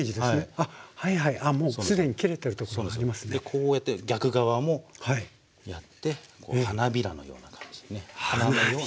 でこうやって逆側もやってこう花びらのような感じにね花のような。